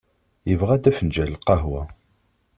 Yebɣa-d afenǧal n lqahwa.